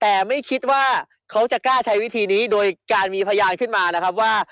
แต่ไม่คิดว่าเขาจะกล้าใช้วิธีนี้โดยการมีพยานขึ้นมานะครับว่า